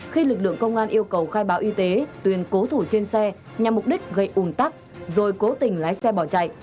khi lực lượng công an yêu cầu khai báo y tế tuyền cố thủ trên xe nhằm mục đích gây ủn tắc rồi cố tình lái xe bỏ chạy